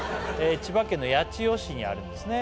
千葉県の八千代市にあるんですね